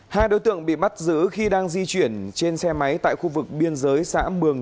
hai đối tượng bị bắt giữ khi đang di chuyển trên xe máy tại khu vực biên giới xã mường